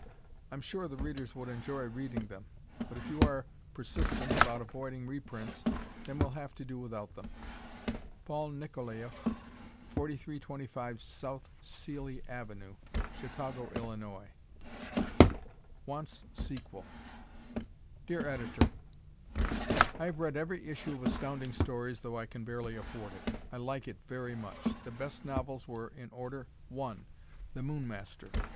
I'm sure the readers would enjoy reading them. But if you are persistent about avoiding reprints then we'll have to do without them. Paul Nikolaieff, 4325 S. Seeley Ave., Chicago, Illinois. Wants Sequel Dear Editor: I have read every issue of Astounding Stories though I can barely afford it. I like it very much. The best novels were, in order: 1. "The Moon Master"; 2.